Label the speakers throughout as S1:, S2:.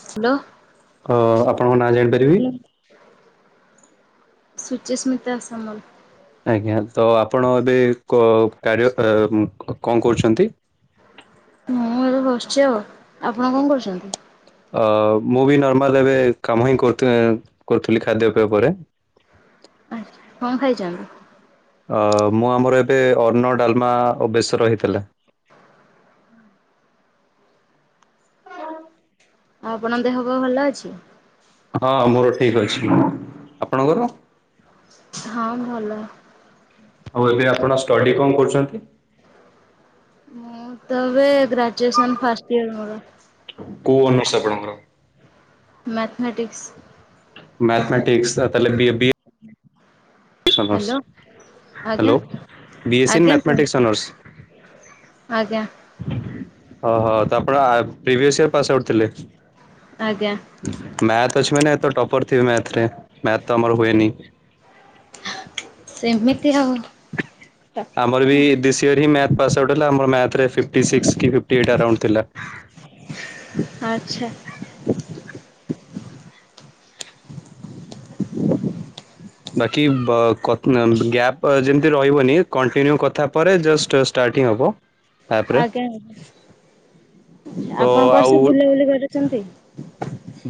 S1: Hello.
S2: କ ହ।
S1: ମୁଁ ସୁଚିସ୍ମିତା ସାମଲ୍।
S2: ଆଜ୍ଞା ତ ଆପଣ ଏବେ କ- କାର୍ୟା [unintelligible] କ-କଣ୍ କରୁଚନ୍ତି?
S1: ମୁଁ ଏବେ ବସିଛି ଆଉ ଆପଣ କଣ କରୁଛନ୍ତି।
S2: ଅ ମୁଁ ବି ନର୍ମାଲ ଏବେ କାମ ହିଁ କରୁଥି କରୁଥିଲି ଖାଦ୍ୟପେୟ ପରେ।
S1: କଣ ଖାଇଚନ୍ତି।
S2: ଅ ମୁଁ ଆମର ଏବେ ଅନ୍ନ ଡାଲମା ଓ ବେଶ ହେଇଥିଲା।
S1: ଆଉ ଆପଣଙ୍କ ଦେହ ପା ଭଲ ଅଛି।
S2: ହଁ ମୋର ଠିକ ଅଛି ଆପଣଙ୍କର।
S1: ହଁ ଭଲ।
S2: ଆଉ ଏବେ ଆପଣ ଷ୍ଟଡ଼ି କଣ କରୁଛନ୍ତି।
S1: ହଁ ତ ଏବେ ଗ୍ରାଜୁଏସନ୍ ଫର୍ଷ୍ଟ ଇୟର ମୋର।
S2: କୋଉ ଅନର୍ସ ଆପଣଙ୍କର।
S1: ମ୍ୟାଥମେଟିକ୍ସ।
S2: ମାଥମେଟିକ୍ସ ଆଉ ତା ହେଲେ ବି ଏ ବି ଏ
S1: ହ ହ୍ୟାଲୋ
S2: ହ୍ୟାଲୋ।
S1: ଆଜ୍ଞା
S2: ବି ଏସ୍ ସି ଇନ୍
S1: ଆଜ୍ଞା
S2: ମ୍ୟାଥମେଟିକ୍ସ
S1: କୁହନ୍ତୁ। ଆଜ୍ଞା।
S2: ହ ହୋ ତା ଆପଣ previous year pass out ଥିଲେ।
S1: ଆଜ୍ଞା।
S2: ମ୍ୟାଥ ଅଛି ମାନେ ତ ଟପର ଥିବେ ମ୍ୟାଥ ରେ ମ୍ୟାଥ ତ ଆମର ହୁଏନି।
S1: ସେମିତି ଅଉ।
S2: ଆମର ବି ଦିସ୍ ଇୟର୍ ହିଁ ମ୍ୟାଥ ପାସ ଆଉଟ୍ ହେଲା ଆଉ ମୋର ମ୍ୟାଥ ରେ ଫିଫ୍ଟ ସିକ୍ସ କି ଫିଫ୍ଟ୍ ଏଇଟ୍ ଆରାଉଣ୍ଡ ଥିଲା।
S1: ଆଛା।
S2: ବାକି ବ କ ଅ ଗ୍ୟାପ୍ ଯେମିତି ରହିବନି କଣ୍ଟିନ୍ୟୁ କଥା ପରେ ଜଷ୍ଟ ଷ୍ଟାର୍ଟିଂ ହବ। ତାପରେ
S1: ଆଜ୍ଞା
S2: ତ
S1: ଆପଣ କୁଆଡ଼େ
S2: ଆଉ
S1: ସବୁ ବୁଲାବୁଲି କରୁଛନ୍ତି।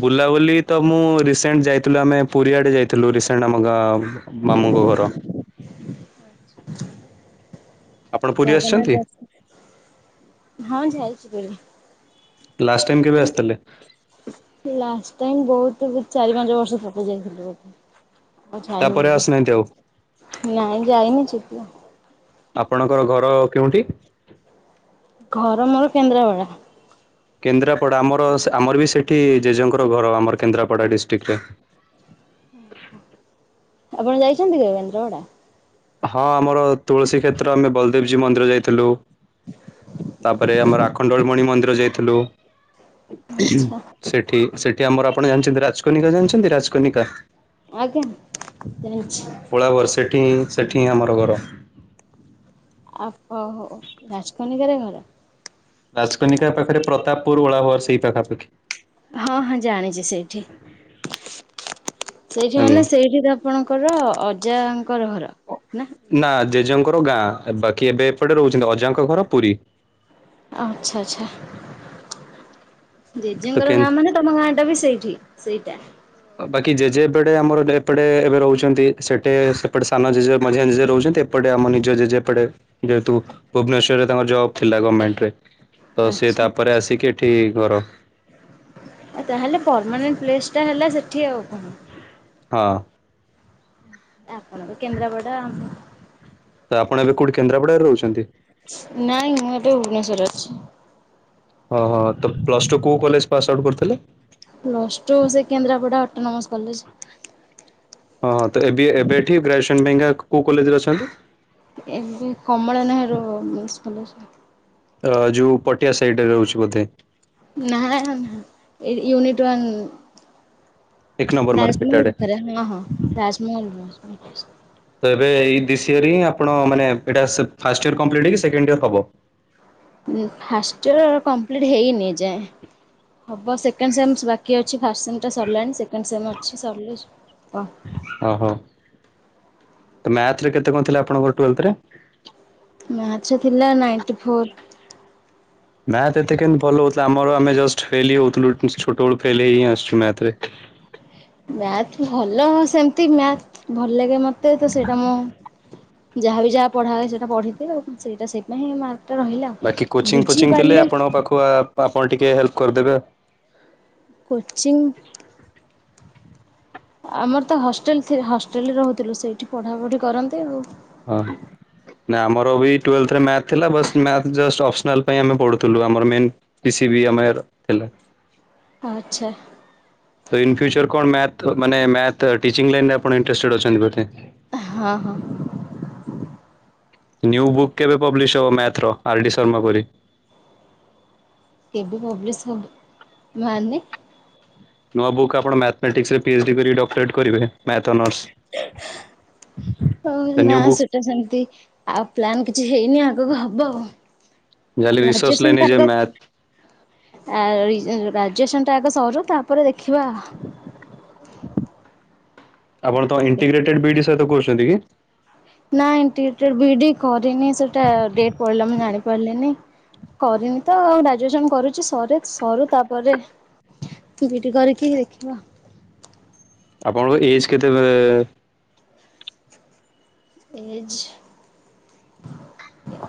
S2: ବୁଲାବୁଲି ତ ମୁଁ ରିସେଣ୍ଟ ଯାଇଥିଲୁ ଆମେ ପୁରୀଆଡ଼େ ଯାଇଥିଲୁ ରିସେଣ୍ଟ ଆମ ମାମୁଙ୍କ ଘର।
S1: ଆ
S2: ଆପଣ ପୁରୀ
S1: ଜଗନ୍ନାଥ
S2: ଆସିଛନ୍ତି?
S1: ଦର୍ସ ହଁ ଯାଇଥିଲି।
S2: ଲାଷ୍ଟ ଟାଇମ୍ କେବେ ଆସିଥିଲେ।
S1: ଲାଷ୍ଟ ଟାଇମ ବହୁତ ପୁ ଚାରି ପାଞ୍ଚ ବର୍ଷ ପୂର୍ବେ ଯାଇଥିଲୁ ବୋଧେ। ଆଉ ଯାଇନି
S2: ତାପରେ ଆସିନାହାନ୍ତି ଆଉ
S1: ଏବେ ନାଇଁ ଯାଇନି ଯିବି।
S2: ଆପଣଙ୍କର ଘର କେଉଁଠି।
S1: ଘର ମୋର କେନ୍ଦ୍ରାପଡା।
S2: କେନ୍ଦ୍ରାପଡା ଆମର ସେ ଆମର ବି ସେଠି ଜେଜେଙ୍କର ଘର ଆମର କେନ୍ଦ୍ରାପଡା ଡିଷ୍ଟ୍ରିକ୍ଟରେ।
S1: ଆପଣ ଯାଇଛନ୍ତି କେବେ କେନ୍ଦ୍ରାପଡା।
S2: ହଁ ଆମର ତୁଳସୀ କ୍ଷେତ୍ର ଆମେ ବଲଦେବଜୀଉ ମନ୍ଦିର ଯାଇଥିଲୁ। ତାପରେ ଆମର ଆଖଣ୍ଡଳମଣି ମନ୍ଦିର ଯାଇଥିଲୁ।
S1: ଆଚ୍ଛା
S2: ସେଠି ସେଠି ଆମର ଆପଣ ଜାଣିଛନ୍ତି ରାଜକନିକା ଜାଣିଛନ୍ତି ରାଜକନିକା।
S1: ଆଜ୍ଞା ଜାଣିଚି।
S2: ଓଳାବର ସେଠି ହିଁ ସେଠିଁ ହିଁ ଆମର ଘର।
S1: ଆ ଓ ହୋ ରାଜକନିକାରେ ଘର।
S2: ରାଜକନିକା ପାଖରେ ପ୍ରତାପପୁର ଓଳାବର ସେଇ ପାଖାପାଖି।
S1: ହଁ ହଁ ଜାଣିଛି ସେଇଠି ସେଇଠି
S2: ଆଜ୍ଞା।
S1: ମାନେ ସେଇଠି ତ ଆପଣଙ୍କର ଅଜାଙ୍କର ଘର ନା।
S2: ନା ଜେଜେଙ୍କର ଗାଁ ବାକି ଏବେ ଏପଟେ ରହୁଛନ୍ତି ଅଜାଙ୍କ ଘର ପୁରୀ।
S1: ଅ ଆଚ୍ଛା ଆଚ୍ଛା
S2: ତ
S1: ଜେଜେଙ୍କର ଗାଁ
S2: କେ
S1: ମାନେ ତମ ଗାଁ ଟା ବି ସେଇଠି ସେଇଟା।
S2: ବାକି ଜେଜେ ଏପଟେ ଆମର ଏବେ ଏପଟେ ଏବେ ରହୁଛନ୍ତି ସେଠେ ସେପଟେ ସାନ ଜେଜେ ମଝିଆ ଜେଜେ ରହୁଛନ୍ତି। ଏପଟେ ଆମ ନିଜ ଜେଜେ ଯେହେତୁ ଭୁବନେଶ୍ଵରରେ ତାଙ୍କର ଜବ ଥିଲା ଗମେଣ୍ଟ ରେ। ତ ସିଏ
S1: ଆଚ୍ଛା
S2: ତାପରେ ଆସିକି ଏଠିକି ଘର
S1: ଆ ତାହେଲେ ପରମାନେଣ୍ଟ ପ୍ଲେସ ଟା ହେଲା ସେଠି ଆଉ।
S2: ହୁଁ।
S1: ଆପଣ କେନ୍ଦ୍ରାପଡା ଆ।
S2: ତ ଆପଣ ଏବେ କୋଉଠି କେନ୍ଦ୍ରାପଡ଼ାରେ ରହୁଛନ୍ତି?
S1: ନାଇଁ ମୁ ଏବେ ଭୁବନେଶ୍ୱରରେ ଅଛି।
S2: ହଁ ହଁ ତ ପ୍ଲସ୍ ଟୁ କେଉଁ କଲେଜ ପାସ୍ ଆଉଟ୍ କରିୁଥିଲେ।
S1: ପ୍ଲସ୍ ଟୁ ସେ କେନ୍ଦ୍ରାପଡ଼ା ଅଟୋନୋମସ୍ କଲେଜ।
S2: ହଁ ହଁ ତ ଏବେ ଏବେ ଏଠି ଗ୍ରାଜୁଏସନ ପାଇଁକା କୋଉ କଲେଜରେ ଅଛନ୍ତି।
S1: ଏବେ କମଳା ନେହେରୁ ଓମେନ୍ସ କଲେଜ।
S2: ଅ ଯୋଉ ପଟିଆ ସାଇଡରେ ରହୁଛି ବୋଧେ।
S1: ନାଁ ନା ଏଇ ୟୁନିଟ୍ ୱାନ୍
S2: ଏକ ନମ୍ବର ମାର୍କେଟ
S1: ରାଜମହଲ
S2: ଆଡେ।
S1: ଭିତରେ ହଁ ହଁ ରାଜମହଲ।
S2: ତ ଏବେ ଏଇ ବିଶି ଇୟରିଙ୍ଗ ଆପଣ ମାନେ ଏଇଟା ଫାଷ୍ଟ ଇୟର୍ କମ୍ପ୍ଲିଟ ହେଇ କି ସେେଣ୍ଡ ଇୟର ହବ।
S1: ହୁଁ ଫାଷ୍ଟ ଇୟର କମ୍ପ୍ଲିଟ୍ ହେଇନି ଏଯାଏ। ହବ ସେକେଣ୍ଡ ସେମ୍ ବାକି ଅଛି ଫାଷ୍ଟ ସେମ୍ଟା ସରିଲାଣି ସେକେଣ୍ଡ ସେମ୍ ଅଛି ସରିଲ ହବ।
S2: ଓହୋ ମ୍ୟାଥରେ କେତେ କଣ ଥିଲା ଆପଣଙ୍କର ଟୁଏଥେରେ?
S1: ମାଥରେ ଥିଲା ନାଇଣ୍ଟି ଫୋର୍।
S2: ମ୍ୟାଥ ଏତେ କେମତି ଭଲ ହଉଥିଲା ଆମର ଆମେ ଜଷ୍ଟ ଫେଲେ ହେଉଥିଲୁ ଛୋଟ ବେଳୁ ଫେଲେ ହେଇିଁ ଆସଛୁ ମ୍ୟାଥରେ।
S1: ମ୍ୟାଥ ଭଲ ହଁ ସେମତି ମ୍ୟାଥ ଭଲ ଲାଗେ ମତେ ତ ସେଇଟା ମୁଁ ଯାହା ବି ଯାହା ପଢା ହୁଏ ସେଇଟା ପଢିଦିଏ ଆଉ ସେଇଟା ସେଇପାଇ ମା ରହିଲା ଆଉ ବୁଝିପାରିଲେ
S2: ହୋଉ ଆପଣ ଟିକେ ହେଲ୍ପ କରିଦେବେ।
S1: କୋଚିଂ ଆମର ତ ହଷ୍ଟେଲ ହଷ୍ଟେଲ ରହୁଥିଲୁ ସେଇଠି ପଢ଼ାପଢ଼ି କରନ୍ତୀ ଆଉ।
S2: ଓହୋ। ନା ଆମର ଏଇ ଟୁଏଲଥରେ ମ୍ୟାଥ ଥିଲା ବାସ ମ୍ୟାଥ ଜଷ୍ଟ୍ ଅପ୍ସନାଲ ପାଇ ଆମେ ପଢୁଥିଲୁ ଆମର ମେନ ପି ସି ବି ଆମେଇର ଥିଲା।
S1: ଆଚ୍ଛା।
S2: ତ ଇନ୍ ଫ୍ୟୁଚର କଣ ମ୍ୟାଥ ମାନେ ମ୍ୟାଥ ଟିଚିଙ୍ଗ ଲାଇନରେ ଆପଣ ଇନଟେଷ୍ଟ ଅଛନ୍ତି ବୋଧେ।
S1: ହଁ ହଁ।
S2: ନିୟୁ ବୁକ୍ କେବେ ପବ୍ଲିଶ ହବ ମ୍ୟାଥର ଆର ଡି ଶର୍ମା ପରି।
S1: କେବେ ପବ୍ଲିଶ ହବ ମାନେ।
S2: ନୂଆ ବୁକ୍ ଆପଣ ମା୍ୟାଥମାେଟ୍ସରେ ପିଏଚ୍ଡ଼ି କରି ଡକ୍ଟରେଟ୍ କରିବେ। Math honours.
S1: ହଉ
S2: ନ୍ୟୁ
S1: ନା
S2: ବୁକ୍
S1: ସେ ସେମତି ଆଉ ପ୍ଲାନ୍ କିଛି ହେଇନି ଆଗକୁ ହବ ଆଉ।
S2: ଯାହେଲେ ରିସର୍ଚ୍ଚ
S1: ଗ୍ରାଜୁଏସନ
S2: ଲାଇନ
S1: ଟା
S2: ଯେ
S1: ଆଗ
S2: ମ୍ୟାଥ୍
S1: ଆ ଗ୍ରାଜୁଏସନ ଟା ଆଗ ସରୁ ତାପରେ ଦେଖିବା।
S2: ଆପଣ ତ ଇଣ୍ଟିଗ୍ରେଟେଡ ବିଡି ସହିତ କହୁଛନ୍ତି କି?
S1: ନା ଇଣ୍ଟିଗ୍ରେଟେଡ ବିଡି କରିନି ସେଟା ଡେଟ ପଳେଇଲା ମୁଁ ଜାଣି ପାରିଲିନି। କରିନି ତ ଆଉ ଗ୍ରାଜୁଏସନ କରୁଛି ସରେ ସରୁ ତାପରେ ବିଡି କରିକି ଦେଖିବା।
S2: ଆପଣଙ୍କ ଏଜ୍ କେତେ?
S1: ଏଜ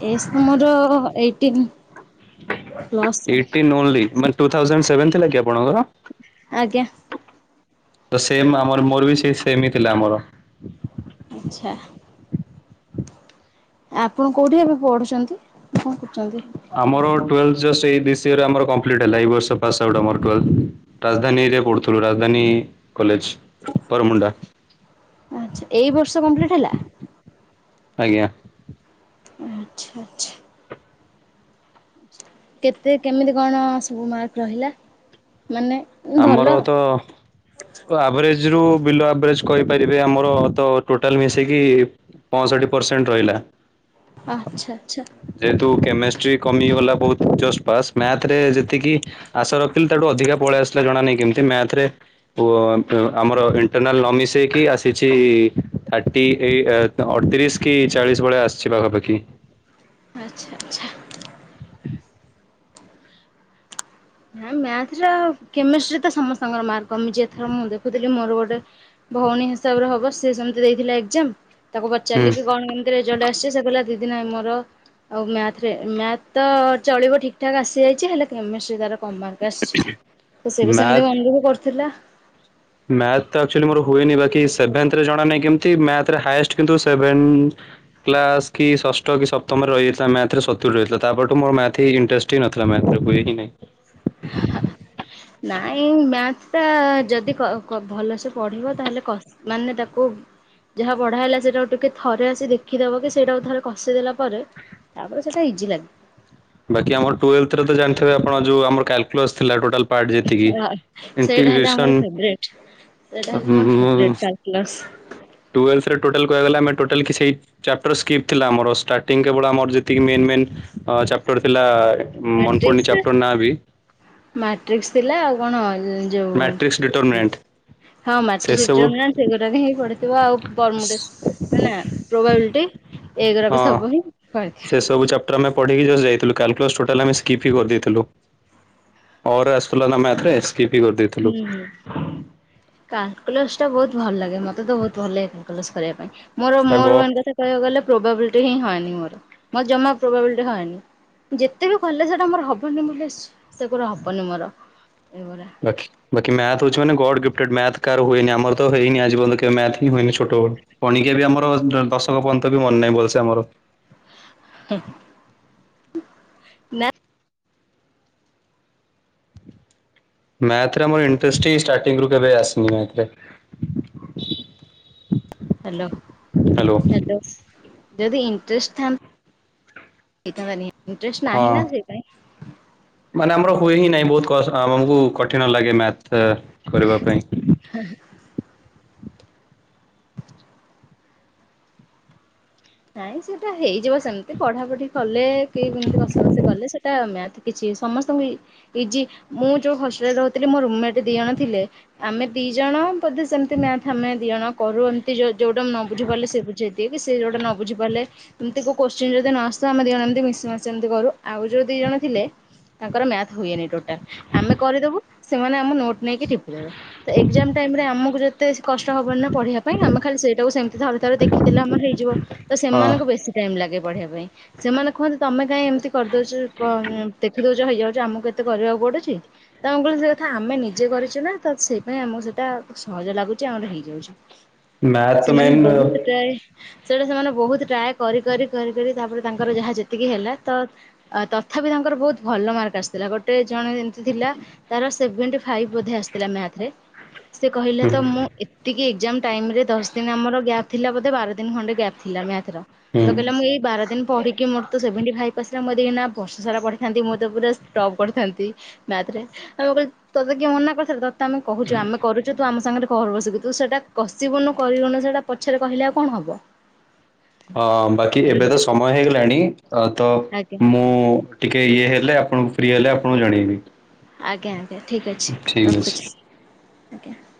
S1: ଏଜ ତ ମୋର ଏଇଟିନ।
S2: ଏଇଟିନ୍ ଓନଲି ମାନେ ଟୁ ଥାଉଯାଣ୍ଟ ସେଭେନ ଥିଲା କି ଆପଣଙ୍କର?
S1: ଆଜ୍ଞା।
S2: ତ ସେମ ଆମର ମୋର ବି ସେ ସେମ ହିଁ ଥିଲା ଆମର।
S1: ଆଚ୍ଛା। ଆପଣ କୋଉଠି ଏବେ ପଢୁଛନ୍ତି କଣ କରୁଛନ୍ତି?
S2: ଆମର ଟୁଏଲଥ ଜଷ୍ଟ ଏଇ ବିସିଏରେ ଆମର କଂପ୍ଲିଟ୍ ହେଲା ଏଇ ବର୍ଷ ପାସ ଆଉଟ୍ ଆମର ଟୁଏଲଥ। ରାଜଧାନୀରେ ପଢୁଥିଲୁ ରାଜଧାନୀ କଲେଜ ବରମୁଣ୍ଡା
S1: ଆଚ୍ଛା ଏଇ ବର୍ଷ କମ୍ପ୍ଲିଟ୍ ହେଲା?
S2: ଆଜ୍ଞା।
S1: ଆଚ୍ଛା ଆଚ୍ଛା। ଛା କେତେ କେମିତି କଣ ସବୁ ମାର୍କ ରହିଲା ମାନେ ଭଲ
S2: ଆମର ତ ତ ଆଭରେଜ ରୁ ବିଲୋ ଆଭରେଜ କହିପାରିବେ ଆମର ତ ଟୋଟାଲ ମିଶେଇକି ପଁଷଠି ପରସେଣ୍ଟ ରହିଲା।
S1: ଆଚ୍ଛା ଆଚ୍ଛା।
S2: ଯେହେତୁ କେମେଷ୍ଟ୍ରି କମିଗଲା ବହୁତ୍ ଜଷ୍ଟ୍ ପାସ୍ ମ୍ୟାଥରେ ଯେତିକି ଆଶା ରଖିଥିଲି ତାଠୁ ଅଧିକା ପଳେଇ ଆସିଲା ଜଣାାନାହିଁ କେମିତି ମ୍ୟାଥରେ ଓ [unintelligible] ଆମର ଇଣ୍ଟରନାଲ ନ ମିଶେଇକି ଆସିଛି ଥାର୍ଟି ଏଇ ଅ ଅଠତିରିଶ କି ଚାଳିଶ ଭଳିଆ ଆସିଛି ପାଖାପାଖି
S1: ଆଚ୍ଛା ଆଚ୍ଛା। ନା ମ୍ୟାଥର କେମିଷ୍ଟ୍ରିରେ ତ ସମସ୍ତଙ୍କର ମାର୍କ କମିଛି ଏଥର ମୁଁ ଦେଖୁଥିଲି ମୋର ଗୋଟେ ଭଉଣୀ ହିସାବରେ ହବ ସେ ସେମିତି ଦେଇଥିଲା ଏକ୍ଜାମ ତାକୁ
S2: ହୁଁ
S1: ପଚାରିଲ କି କଣ କେମ ରେଜଲ୍ଟ ଆସିଚି ସେ କହିଲା ଦିଦି ନାଇଁ ମୋର ଆଉ ମ୍ୟାଥରେ ମ୍ୟାଥ୍ ତ ଚଳିବ ଠିକ ଠାକ୍ ଆସିଯାଇଛି ହେଲେ କେମିଷ୍ଟ୍ରୀ ରେ ତାର କମ୍ ମାର୍କ ଆସିଛି, ତ ସିଏ ବି ସେମିତି
S2: ମ୍ୟାଥ
S1: ମନ ଦୁଃଖ କରୁଥିଲା
S2: ମ୍ୟାଥ ଟା ଆକଚୁଆଲି ମୋର ହୁଏନି ବାକି ସେଭେନ୍ଥରେ ଜଣା ନାହିଁ କେମତି ମ୍ୟାଥରେ ହାଇଏଷ୍ଟ କିନ୍ତୁ ସେଭେନ କ୍ଲାସ୍ କି ଷଷ୍ଠ କି ସପ୍ତମରେ ରହିଯାଇଥିଲା ମ୍ୟାଥରେ ସତୁରୀ ରହିଥିଲା ତାପରଠୁ ମୋର ମ୍ୟାଥ୍ ହିଁ ଇଣ୍ଟରେଷ୍ଟ ହେଇନଥିଲା ମ୍ୟାଥରେ ହୁଏ କି ନାଇଁ।
S1: ଲହ ନାଇଁ ମ୍ୟାଥ ଟା ଯଦି କ କ ଭଲସେ ପଢିବ ତାହେଲେ କ ମାନେ ତାକୁ ଯାହା ପଢା ହେଲା ସେଇଟାକୁ ଟିକେ ଥରେ ଆସି ଦେଖିଦବ କି ସେଇଟାକୁ ଥରେ କଷିଦେଲା ପରେ ତାପରେ ସେଇଟା ଇଜି ଲାଗେ।
S2: ବାକି ଆମର ଟୁଏଲ୍ଥରେ ତ ଜାଣିଥେବେ ଆପଣ ଯୋଉ ଆମର କ୍ୟାଲ୍କୁଲସ୍ ଥିଲା ଟୋଟାଲ ପାର୍ଟ ଯେତିକି।
S1: ହଁ ସେଇଟା ହେଲେ
S2: ଇଣ୍ଟିଗ୍ରେସନ୍
S1: ଆମର ଫେବରେଟ୍। ସେଇଟା ହେଲା ମୋର ଫେବରେଟ୍ କାଲ୍କୁଲସ୍।
S2: ଟୁଏଲ୍ଥରେ ଟୋଟଲ୍ କହିବାକୁ ଗଲେ ଆମେ ଟୋଟାଲ କିଛି ଚାପଟର ସ୍କିପ୍ ଥିଲା ଆମର ଷ୍ଟାର୍ଟିଂ କେବଳ ଆମର ଯେତିକି ମେନ୍ ମେନ୍ ଅ ଚାପ୍ଟର ଥିଲା ମନେ ପଡୁନି
S1: ମାଟ୍ରିକ୍ସ
S2: ଚାପ୍ଟର ନାଁ ବି
S1: ମାଟ୍ରିକ୍ସ ଥିଲା ଆଉ କଣ? ଯୋଉ
S2: ମାଟ୍ରିକ୍ସ ଡିଟର୍ମିନେଣ୍ଟ।
S1: ହଁ ମାଟ୍ରିକ୍ସ ଡିଟର୍ମିନେଣ୍ଟ ସେଗୁରା ବି ପଡିଥିବ ଆଉ ପର୍ମୁଟେସନ୍ ନା ପ୍ରୋବାବିଲିଟି। ଏଇଗୁରା ସବୁ ହିଁ ପଡ଼ିଥିବ।
S2: ଟୋଟାଲ ଆମେ ପଢିକି ଜଷ୍ଟ ଯାଇଥିଲୁ କାଲକୁଳସ ଟୋଟାଲ ଆମେ ସ୍କିପ ହିଁ କରିଦେଇଥିଲୁ। ଅରରେ ଆସୁଥିଲା ନା ମ୍ୟାଥେ ସ୍କିପି ହିଁ କରିଦେଇଥିଲୁ।
S1: କାଲକୁଲସଟା ବହୁତ ଭଲ ଲାଗେ ମତେ ତ ବହୁତ ଭଲ ଲାଗେ କାଲକୁଲସ କରିବା ପାଇଁ ମୋର
S2: ସେଟା
S1: ମୋର
S2: ଗ
S1: ମେନ କଥା କହିବାକୁ ଗଲେ ପ୍ରୋବାବିଲିଟି ହିଁ ହଏନି ମୋର ମୋର ଜମା ପ୍ରୋବାବିଲିଟି ହଏନି। ଯେତେ ବି କଲେ ସେଇଟା ମୋର ହବନି ମୁଁ କହିଲି ହେସ ସେଗୁରା ହବନି ମୋର ଏଗୁରା।
S2: ବାକି ବାକି ମ୍ୟାଥ ହଉଛି ମାନେ ଗଡ୍ ଗିଫ୍ଟଟେଡ ମ୍ୟାଥ କାର ହୁଏନି ଆମର ତ ହେଇନି ଆଜି ପର୍ଯ୍ୟନ୍ତ କେବେ ମ୍ୟାଥ କି ହୁଏନି ଛୋଟବେଳୁ। ପଣିକିଆ ବି ଆମର ଦ ଦଶକ ପର୍ଯ୍ୟନ୍ତ ବି ମନେ ନାହିଁ ଭଲସେ ଆମର।
S1: ହୁଁ ହୁଁ ନା
S2: ମ୍ୟାଥରେ ଆମର ଇନ୍ତ୍ରେଷ୍ଟ୍ ହିଁ ଷ୍ଟାର୍ଟିଂରୁ କେବେ ଆସିନି ମ୍ୟାଥରେ।
S1: Hello hello. ଯଦି ଇଣ୍ଟରେଷ୍ଟ ଥାଆନ୍ତା ହେଇଥାନ୍ତା ନି ଇଣ୍ଟରେଷ୍ଟ
S2: ହଁ
S1: ନାହିଁ ନା ସେଥିପାଇଁ।
S2: ମାନେ ଆମର ହୁଏ ହିଁ ନାହିଁ ବହୁତ କସ ଆମକୁ କଠିନ ଲାଗେ ମ୍ୟାଥ କରିବା ପାଇଁ।
S1: [inaudible] ନାଇଁ ସେଇଟା ହେଇଯିବ ସେମିତି। ପଢାପଢି କଲେ କି ଏମିତି କସା କସି କଲେ ସେଇଟା ମ୍ୟାଥ କିଛି ସମସ୍ତଙ୍କୁ ଇ ଇଜି ମୁଁ ଯୋଉ ହଷ୍ଟେଲରେ ରହୁଥିଲି ମୋ ରୁମ ମେଟ ଦି ଜଣ ଥିଲେ ଆମେ ଦି ଜଣ ବୋଧେ ସେମିତି ମ୍ୟାଥ ଆମେ ଦି ଜଣ କରୁ। ଏମିତି ଯୋଉଟା ନ ବୁଝି ପାରିଲେ ସେ ବୁଝେଇ ଦିଏ କି ସିଏ ଯୋଉଟା ନ ବୁଝିପାରିଲେ ଏମିତି କୋଉ କୋଶ୍ଚିନ୍ ଯଦି ନ ଆସୁଥାଏ ଆମେ ଦୁଇ ଜଣ ଏମିତି ମିଶି ମାସି ଏମିତି କରୁ। ଆଉ ଯୋଉ ଦି ଜଣ ଥିଲେ ତାଙ୍କର ମ୍ୟାଥ୍ ହୁଏନି ଟୋଟାଲ୍। ଆମେ କରିଦେବୁ ସେମାନେ ଆମ ନୋଟ୍ ନେଇକି ଟିପିଦେବେ। ତ ଏକ୍ଜାମ୍ ଟାଇମ୍ ରେ ଆମକୁ ଯେତେ କଷ୍ଟ ହବନି ନା ପଢିବା ପାଇଁ, ଆମେ ଖାଲି ସେଇଟାକୁ ସେମିତି ଥରେ ଥରେ ଦେଖିଦେଲେ ଆମର ହେଇଯିବ। ତ
S2: ହଁ
S1: ସେମାନଙ୍କୁ ବେଶୀ ଟାଇମ୍ ଲାଗେ ପଢିବା ପାଇଁ। ସେମାନେ କୁହନ୍ତି ତମେ କାଇଁ ଏମିତି କରିଦଉଚୁ କ ଦେଖିଦଉ ଚ ହେଇଯାଉଚି। ଆମକୁ କେତେ କରିବାକୁ ପଡୁଚି। ତ ଆମେ କହିଲୁ ସେ କଥା ଆମେ ନିଜେ କରିଚୁ ନା ତ ସେଇଥିପାଇଁ ଆମକୁ ସେଟା ସହଜ ଲାଗୁଚି ଆମର ହେଇଯାଉଚି।
S2: ମ୍ୟାଥ୍ ତ
S1: ସେମାନେ
S2: ମେନ୍ ହୁଁ
S1: ବହୁତ ଟ୍ରାଏ ସେଟା ସେମାନେ ବହୁତ ଟ୍ରାଏ କରି କରି କରି କରି ତାପରେ ତାଙ୍କର ଯାହା ଯେତିକି ହେଲା ତ ତଥାପି ତାଙ୍କର ବହୁତ ଭଲ ମାର୍କ ଆସିଥିଲା। ଗୋଟେ ଜଣେ ଏମିତି ଥିଲା ତାର ସେଭେନଟି ଫାଇପ୍ ବୋଧେ ଆସିଥିଲା ମ୍ୟାଥରେ। ସେ କହିଲେ ତ ମୁଁ ଏତିକି ଏଜ୍ଜାମ ଟାଇମରେ ଦଶ ଦିନ ଆମର ଗ୍ୟାପ୍ ଥିଲା ବୋଧେ ବାର ଦିନ ଖଣ୍ଡେ ଗ୍ୟାପ୍ ଥିଲା ମ୍ୟାଥର।
S2: ହୁଁ।
S1: ତ କହିଲା ମୁଁ ଏଇ ବାର ଦିନ ପଢିକି ମୋରତ ସେଭନଟି ଫାଇପ୍ ଆସିଲା ମୁଁ ଯଦି ଏଇନା ବର୍ଷ ସାରା ପଢିଥାନ୍ତି ମୁଁ ତ ପୁରା ଟପ୍ କରିଥାନ୍ତି। ମ୍ୟାଥରେ। ଆମେ କହିଲୁ ତତେ କିଏ ମନା କରିଥିଲା ତତେ ତ ଆମେ କହୁଚୁ ତୁ ଆମ ସାଙ୍ଗରେ କର ବସିକି ତୁ। ସେଇଟା କସିବୁନୁ କରିବୁନୁ ସେଇଟା ପଛରେ କହିଲେ ଆଉ କଣ ହବ।
S2: ହଁ ବାକି ଏବେ ତ
S1: ଏଇଭଳିଆ।
S2: ସମୟ ହେଇଗଲାଣି। ତ
S1: ଆଜ୍ଞା
S2: ମୁଁ ଟିକେ ଇଏ ହେଲେ ଆପଣଙ୍କୁ ଫ୍ରି ହେଲେ ଆପଣଙ୍କୁ ଜଣେଇବି।
S1: ଆଜ୍ଞା ଆଜ୍ଞା ଠିକ୍ ଅଛି
S2: ଠିକ୍ ଅଛି।
S1: ରଖୁଚି।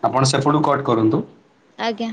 S2: ଆପଣ ସେପଟୁ କଟ୍ କରନ୍ତୁ।
S1: ଆଜ୍ଞା।